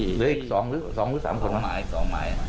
เหลืออีก๒หรือ๓คนครับ๒หมาย